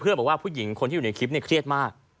บอกว่าผู้หญิงคนที่อยู่ในคลิปเนี่ยเครียดมาก